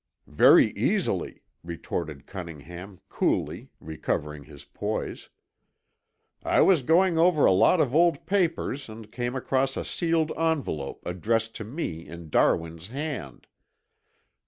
"Very easily," retorted Cunningham coolly, recovering his poise, "I was going over a lot of old papers and came across a sealed envelope addressed to me in Darwin's hand.